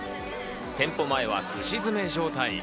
店舗前はすし詰め状態。